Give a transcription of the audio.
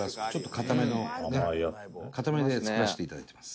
硬めで作らせて頂いてます。